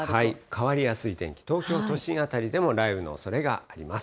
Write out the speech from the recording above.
変わりやすい天気、東京都心でも雷雨のおそれがあります。